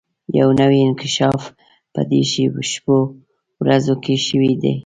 يو نوی انکشاف په دې شپو ورځو کې شوی دی.